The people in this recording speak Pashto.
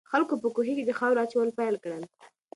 خلکو په کوهي کې د خاورو اچول پیل کړل.